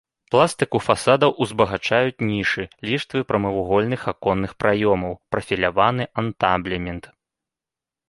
Пластыку фасадаў узбагачаюць нішы, ліштвы прамавугольных аконных праёмаў, прафіляваны антаблемент.